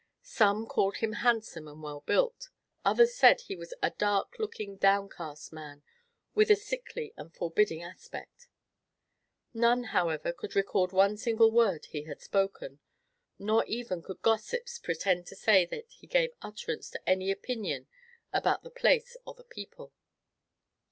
Some called him handsome and well built; others said he was a dark looking, downcast man, with a sickly and forbidding aspect. None, however, could record one single word he had spoken, nor could even gossips pretend to say that he gave utterance to any opinion about the place or the people.